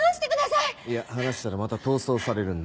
いや離したらまた逃走されるんで。